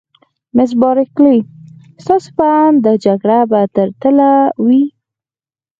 مس بارکلي: ستاسي په اند دا جګړه به تل تر تله وي؟